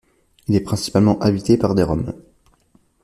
Il est principalement habité par des Roms.